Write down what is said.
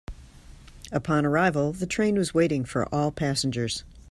Upon arrival, the train was waiting for all passengers.